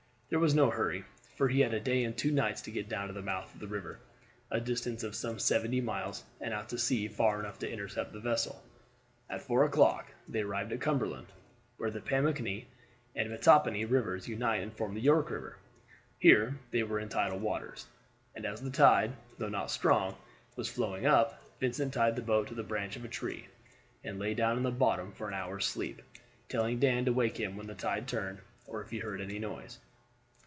There was no hurry, for he had a day and two nights to get down to the mouth of the river, a distance of some seventy miles, and out to sea far enough to intercept the vessel. At four o'clock they arrived at Cumberland, where the Pamunkey and Mattapony Rivers unite and form the York River. Here they were in tidal waters; and as the tide, though not strong, was flowing up, Vincent tied the boat to the branch of a tree, and lay down in the bottom for an hour's sleep, telling Dan to wake him when the tide turned, or if he heard any noise.